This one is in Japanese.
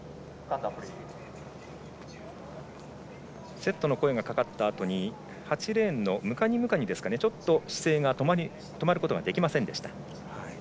セットの声がかかったあとに８レーンのムカニムカニちょっと姿勢が止まることができませんでした。